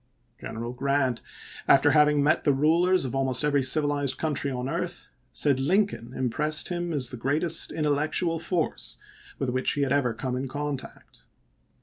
General Grant, after having met the rulers of almost every civilized country on earth, said Lincoln impressed him as the greatest in tellectual force with which he had ever come in contact.